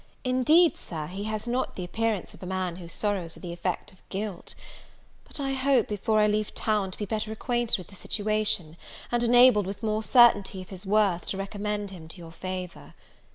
Indeed, Sir, he has not the appearance of a man whose sorrows are the effect of guilt. But I hope, before I leave town, to be better acquainted with his situation, and enabled, with more certainty of his worth, to recommend him to your favour.